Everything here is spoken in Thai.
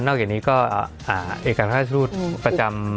จากนี้ก็เอกราชทูตประจำ